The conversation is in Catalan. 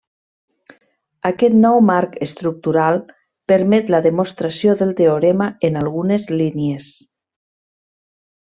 Aquest nou marc estructural permet la demostració del teorema en algunes línies.